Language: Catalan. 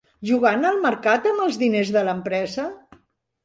Jugant al mercat amb els diners de l'empresa?